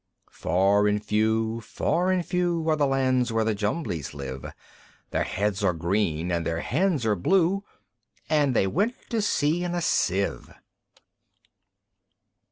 Far and few, far and few, Are the lands where the Jumblies live; Their heads are green, and their hands are blue, And they went to sea in a Sieve.